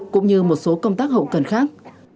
cũng như một số công tác hậu cần khác